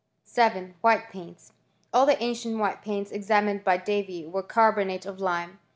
7. White paints. All the ancient white paints ex amined by Davy were carbonates of lime.